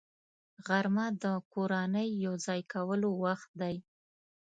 غرمه د کورنۍ یو ځای کېدلو وخت دی